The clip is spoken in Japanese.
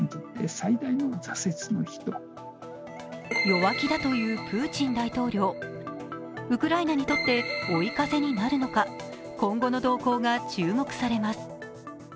弱気だというプーチン大統領ウクライナにとって追い風になるのか、今後の動向が注目されます。